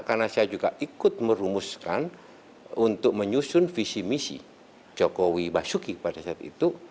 karena saya juga ikut merumuskan untuk menyusun visi misi jokowi basuki pada saat itu